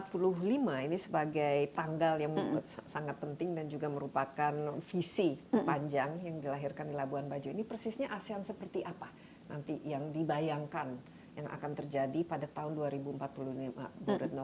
ini sebagai tanggal yang sangat penting dan juga merupakan visi panjang yang dilahirkan di labuan bajo ini persisnya asean seperti apa nanti yang dibayangkan yang akan terjadi pada tahun dua ribu empat puluh ini bu retno